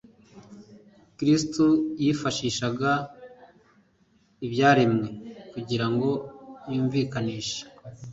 Kristo yifashishaga ibyaremwe kugira ngo yumvikanishe